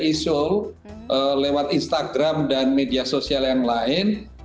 kbri seoul lewat instagram dan media sosial yang lain